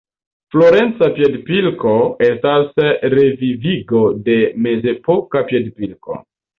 Florenca piedpilko estas revivigo de mezepoka piedpilko.